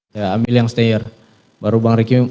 saya ambil yang stayer baru bang ricky